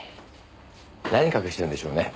何隠してるんでしょうね？